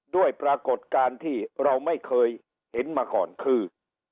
ด้วยปรากฏการณ์ที่เราไม่เคยเห็นมาก่อนคือ